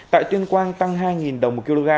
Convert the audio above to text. tại tuyên quang tăng hai đồng một kg